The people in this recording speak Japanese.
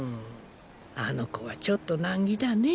あの子はちょっと難儀だねぇ。